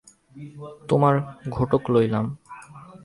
তোমার ঘােটক লইলাম।